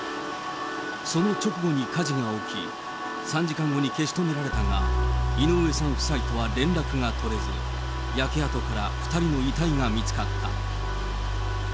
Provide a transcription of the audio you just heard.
その直後に火事が起き、３時間後に消し止められたが、井上さん夫妻とは連絡が取れず、焼け跡から２人の遺体が見つかった。